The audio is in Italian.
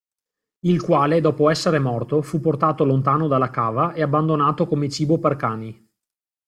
Il quale dopo essere morto fu portato lontano dalla cava e abbandonato come cibo per cani.